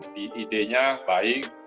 di idenya baik